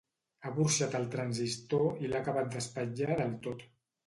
Ha burxat el transistor i l'ha acabat d'espatllar del tot.